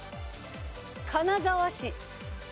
金沢市。